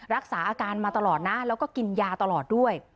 รักษาอาการมาตลอดนะแล้วก็กินยาตลอดด้วย